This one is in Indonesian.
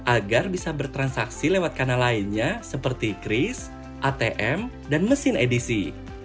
agar bisa bertransaksi lewat kanal lainnya seperti kris atm dan mesin edisi